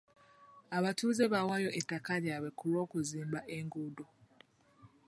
Abatuuze bawaayo ettaka lyabwe ku lw'okuzimba enguudo.